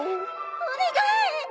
お願い！